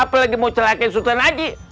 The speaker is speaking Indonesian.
apalagi mau celakin sultan haji